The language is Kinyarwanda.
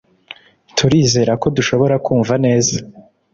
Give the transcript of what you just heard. Turizera ko dushobora kumva neza